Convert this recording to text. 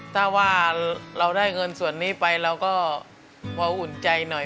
ถ้าว่าเราได้เงินส่วนนี้ไปเราก็พออุ่นใจหน่อย